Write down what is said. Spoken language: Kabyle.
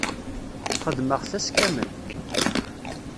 Xedmeɣ-t ass kamel.